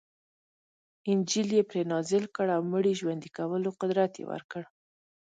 انجیل یې پرې نازل کړ او مړي ژوندي کولو قدرت یې ورکړ.